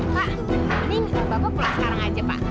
pak ini misalnya bapak pulang sekarang aja pak